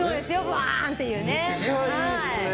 バーンっていうね。